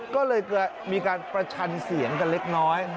ก็เลยเกิดมีการประชันเสียงกันเล็กน้อย